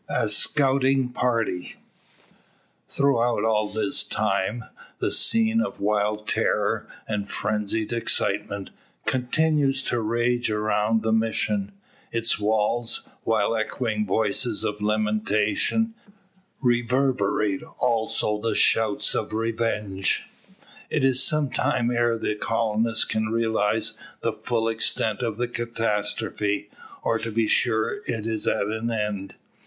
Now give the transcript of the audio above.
A SCOUTING PARTY. Throughout all this time, the scene of wild terror, and frenzied excitement, continues to rage around the Mission. Its walls, while echoing voices of lamentation, reverberate also the shouts of revenge. It is some time ere the colonists can realise the full extent of the catastrophe, or be sure it is at an end.